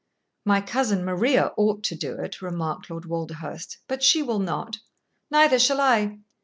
"My cousin Maria ought to do it," remarked Lord Walderhurst, "but she will not neither shall I.